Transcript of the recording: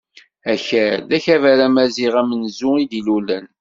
Akal, d akabar amaziɣ amenzu i d-ilulen.